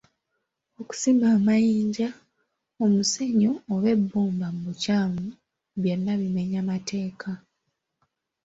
Okusima amayinja, omusenyu oba ebbumba mu bukyamu byonna bimenya mateeka.